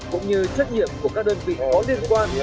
cũng như trách nhiệm của các đơn vị có liên quan